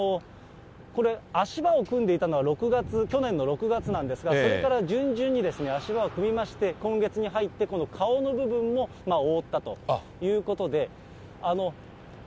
これ、足場を組んでいたのは６月、去年の６月なんですが、それから順々にですね、足場を組みまして、今月に入って、この顔の部分も覆ったということで。